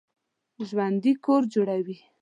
ژوندي کور جوړوي